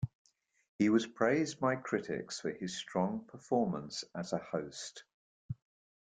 He was praised by critics for his strong performance as a host.